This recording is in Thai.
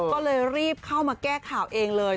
ก็เลยรีบเข้ามาแก้ข่าวเองเลย